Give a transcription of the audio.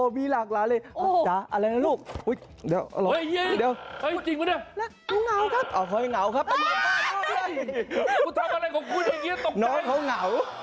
มีคนก็เอาสัตว์มาให้คุณตั้งชื่อเยอะเลยค่ะนะ